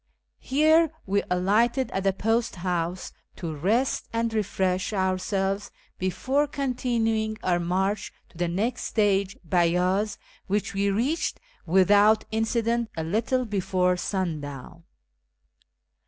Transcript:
Here we alighted at the post house to rest and refresh our selves before continuing our march to the next stage, Beyaz, which we reached without incident a little before sundown.